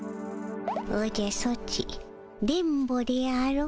おじゃソチ電ボであろ？